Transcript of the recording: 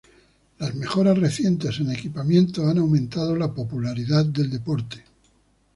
Las mejoras recientes en equipamiento han aumentado la popularidad del deporte.